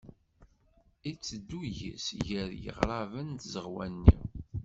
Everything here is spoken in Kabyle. Iteddu yis-s gar yiɣṛaben n tzeɣwa-nni.